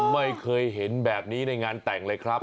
ไม่เคยเห็นแบบนี้ในงานแต่งเลยครับ